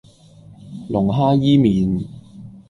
龍蝦伊麵